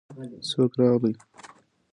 څوک راغی.